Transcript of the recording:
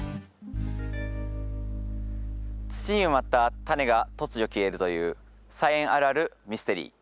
土に埋まったタネが突如消えるという菜園あるあるミステリー。